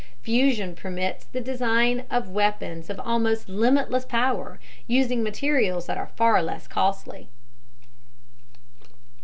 Fusion permits the design of weapons of almost limitless power, using materials that are far less costly.